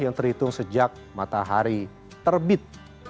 yang terhitung sejak matahari terbit